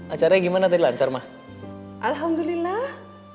acaranya gimana tadi lancar mah alhamdulillah